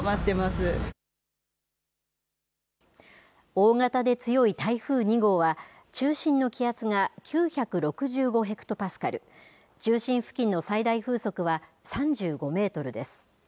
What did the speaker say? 大型で強い台風２号は、中心の気圧が９６５ヘクトパスカル、中心付近の最大風速は３５メートルです。